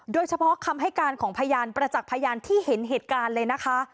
เฉพาะคำให้การของพยานประจักษ์พยานที่เห็นเหตุการณ์เลยนะคะ